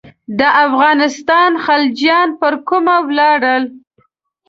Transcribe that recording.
د افغانستان خلجیان پر کومه ولاړل.